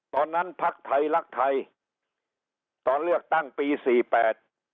พักไทยรักไทยตอนเลือกตั้งปีสี่แปด